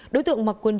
đối tượng mặc quần jean